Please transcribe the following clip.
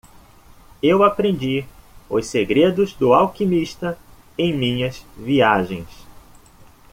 Eu aprendi os segredos do alquimista em minhas viagens.